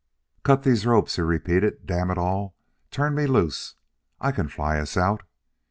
"Cut these ropes!" he repeated. "Damn it all, turn me loose; I can fly us out!"